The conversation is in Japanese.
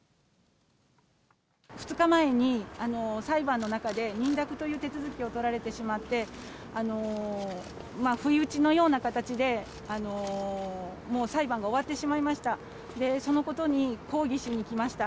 ２日前に裁判の中で認諾という手続きを取られてしまって、不意打ちのような形で、もう裁判が終わってしまいました。